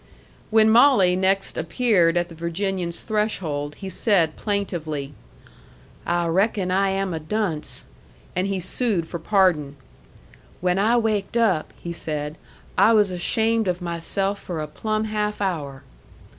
When Molly next appeared at the Virginian's threshold, he said plaintively, "I reckon I am a dunce." And he sued for pardon. "When I waked up," he said, "I was ashamed of myself for a plumb half hour."